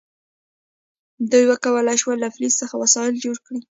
دوی وکولی شول له فلز څخه وسایل جوړ کړي.